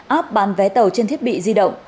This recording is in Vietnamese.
app bán vé tàu trên thiết bị di động